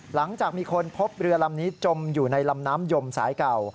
หลังจากมีคนพบเรือลำนี้จมอยู่ในลำน้ำยมสายเก่า